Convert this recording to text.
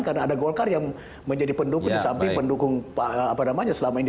karena ada golkar yang menjadi pendukung di samping pendukung selama ini